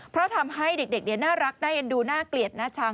เพราะทำให้เด็กน่ารักน่าเอ็นดูน่าเกลียดน่าชัง